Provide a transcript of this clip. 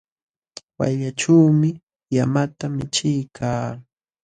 Wayllaćhuumi llamata michiykaa.